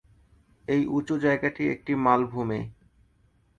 এই উচু জায়গাটি একটি মালভূমি।